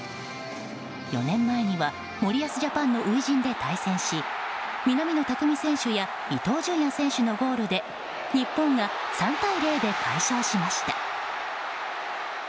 ４年前には森保ジャパンの初陣で対戦し南野拓実選手や伊東純也選手のゴールで日本が３対０で快勝しました。